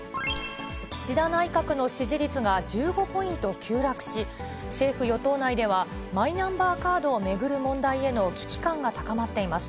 岸田内閣の支持率が１５ポイント急落し、政府・与党内では、マイナンバーカードを巡る問題への危機感が高まっています。